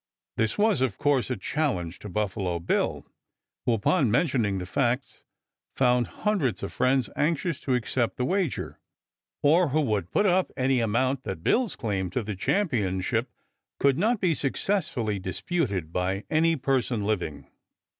This was, of course, a challenge to Buffalo Bill, who upon mentioning the facts, found hundreds of friends anxious to accept the wager, or who would put up any amount that Bill's claim to the championship could not be successfully disputed by any person living.